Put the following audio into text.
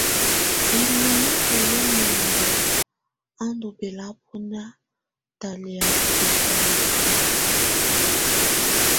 Ilunǝ́ki yɛ mɔndɔ á ndù bɛlabɔnɛa talɛ̀á bɛkɔla.